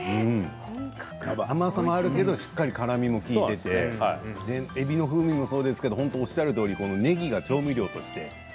甘さもあるけどしっかりからみも利いていてえびの風味もそうですけどおっしゃるとおりねぎが調味料として。